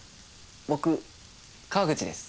僕河口です。